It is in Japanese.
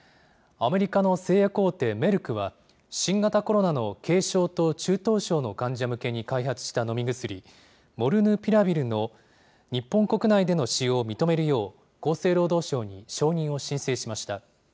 アメリカの製薬大手メルクは、新型コロナの軽症と中等症の患者向けに開発した飲み薬、モルヌピラビルの日本国内での使用を認めるよう、厚生労働省に承認を申請しました。